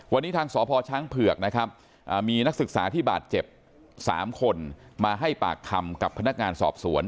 วันนี้ทางสพช้างเผือกนะครับมีนักศึกษาที่บาดเจ็บ๓คนมาให้ปากคำกับพนักงานสอบสวน